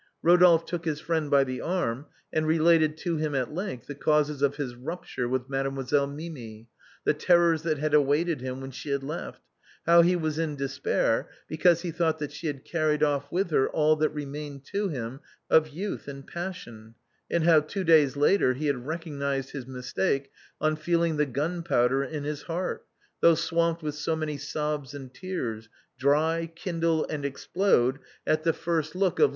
Eodolphe took his friend by the arm, and related to him at length the causes of his rupture with Mademoiselle Mimi, the terrors that had awaited him when she had left; how he was in despair because he thought that she had carried off with her all that remained to him of youth and passion, and how two days later he had recognized his mistake on feeling the gunpowder in his heart, though swamped with so many sobs and tears, dry, kindle, and explode at the first look of 390 THE BOHEMIANS OF THE LATIN QUARTER.